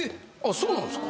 そうなんですか？